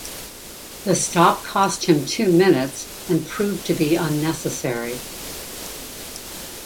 The stop cost him two minutes, and proved to be unnecessary.